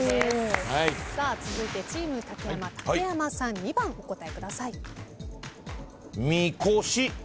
続いてチーム竹山竹山さん２番お答えください。